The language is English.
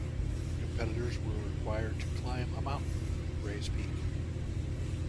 Competitors were required to climb a mountain-Gray's Peak.